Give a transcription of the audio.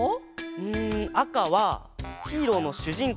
うんあかはヒーローのしゅじん